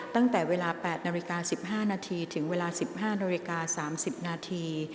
ตั้งแต่เวลา๘นาฬิกา๑๕นาทีถึงเวลา๑๕นาฬิกา๓๐นาที